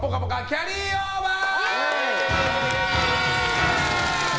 キャリーオーバー！